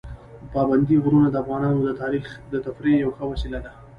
پابندي غرونه د افغانانو د تفریح یوه ښه وسیله ده.